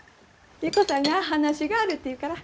優子さんが話があるって言うから。